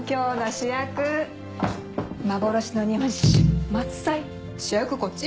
主役こっち？